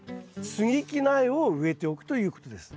接ぎ木苗を植えておくということです。